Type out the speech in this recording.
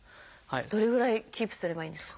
どれぐらいキープすればいいんですか？